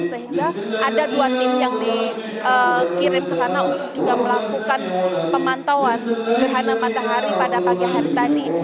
sehingga ada dua tim yang dikirim ke sana untuk juga melakukan pemantauan gerhana matahari pada pagi hari tadi